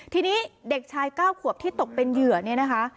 ทีนี้เด็กชาย๙ขวบที่ตกเป็นเหยื่อเนี่ยนะคะ